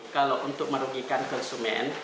kalau untuk merugikan konsumen